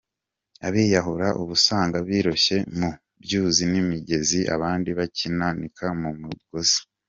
Abiyahura ubasanga biroshye mu byuzi n’imigezi abandi bakimanika mu mugozi.